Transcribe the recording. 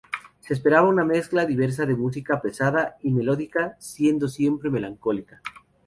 Se esperaba una mezcla diversa de música pesada y melódica, siendo siempre melancólica.